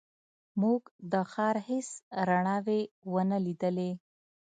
موږ د ښار هېڅ رڼاوې ونه لیدلې.